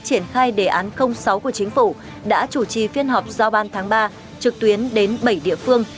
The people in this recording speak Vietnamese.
triển khai đề án sáu của chính phủ đã chủ trì phiên họp giao ban tháng ba trực tuyến đến bảy địa phương